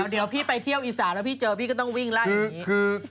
เดี๋ยวพี่ไปเที่ยวอีสานแล้วพี่เจอพี่ก็ต้องวิ่งไล่อย่างนี้